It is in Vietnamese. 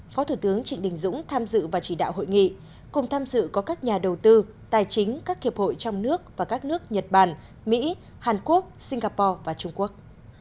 phó thủ tướng trịnh đình dũng tham dự và chỉ đạo hội nghị cùng tham dự có các nhà đầu tư tài chính các hiệp hội trong nước và các nước nhật bản mỹ hàn quốc singapore và trung quốc